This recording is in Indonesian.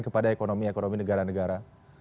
kepada ekonomi ekonomi negara negara